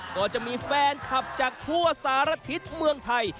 ก็จะมีแฟนคลับจากทั่วสารทิศเมืองไทย